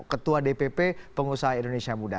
ketua dpp pengusaha indonesia muda